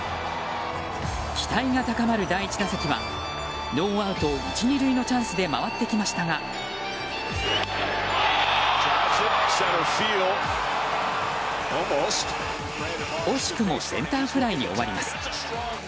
期待が高まる第１打席はノーアウト１、２塁のチャンスで回ってきましたが惜しくもセンターフライに終わります。